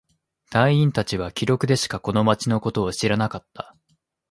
隊員達は記録でしかこの町のことを知らなかった。